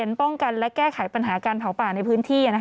ป้องกันและแก้ไขปัญหาการเผาป่าในพื้นที่